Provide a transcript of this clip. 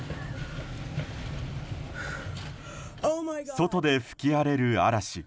外で吹き荒れる嵐。